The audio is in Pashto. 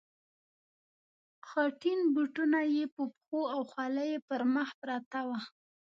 خټین بوټونه یې په پښو او خولۍ یې پر مخ پرته وه.